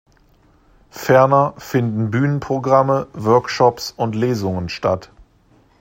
Ferner finden Bühnenprogramme, Workshops und Lesungen statt.